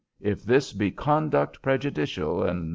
If this be conduct prejudicial, etc.